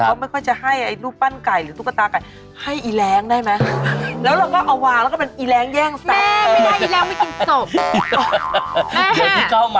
เขาไม่ค่อยจะให้รูปปั้นไก่หรือตุ๊กตาไก่ให้อีแรงได้ไหม